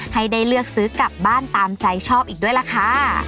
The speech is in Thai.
ให้ได้เลือกซื้อกลับบ้านตามใจชอบอีกด้วยล่ะค่ะ